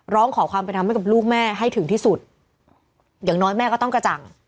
ร้องขอความเป็นธรรมให้กับลูกแม่ให้ถึงที่สุดอย่างน้อยแม่ก็ต้องกระจ่าง